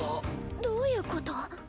どういうこと？